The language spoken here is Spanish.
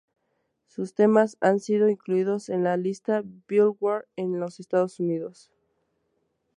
Sus temas han sido incluidos en la lista Billboard en los Estados Unidos.